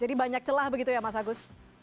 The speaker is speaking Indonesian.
jadi banyak celah begitu ya mas agus